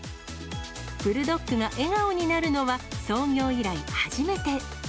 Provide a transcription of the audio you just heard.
ブルドッグが笑顔になるのは、創業以来初めて。